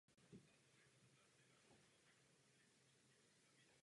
Také vykopávky ještě ze starších dob potvrzují existenci osady na dnešním území obce.